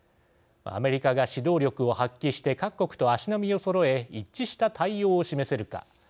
アメリカが指導力を発揮して各国と足並みをそろえ一致した対応を示せるか。